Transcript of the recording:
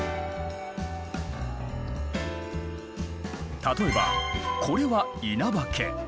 例えばこれは稲葉家